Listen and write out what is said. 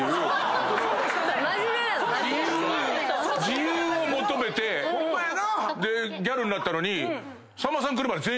自由を求めてギャルになったのに。